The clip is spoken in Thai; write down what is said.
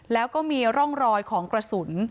แล้วก็มีร่องรอยของกระสุน